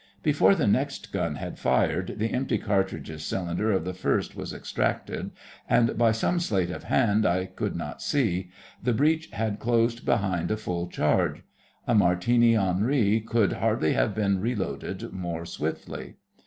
Before the next gun had fired, the empty cartridges cylinder of the first was extracted, and by some sleight of hand I could not see the breech had closed behind a full charge. A Martini Henri could hardly have been reloaded more swiftly.